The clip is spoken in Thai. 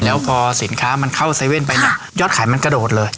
แล้วพอสินค้าเข้า๗๑๑ไปยอดไขมันกระโดดเลย